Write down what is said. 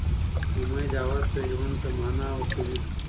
امید او هڅه ژوند ته مانا ورکوي.